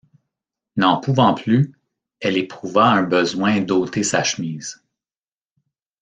N’en pouvant plus, elle éprouva un besoin d’ôter sa chemise.